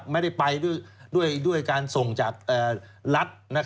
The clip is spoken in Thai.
ไม่ได้ไปด้วยการส่งจากรัฐ